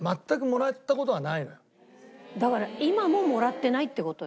だから今ももらってないって事よ。